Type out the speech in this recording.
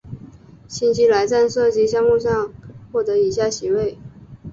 新西兰在射击项目上获得以下席位。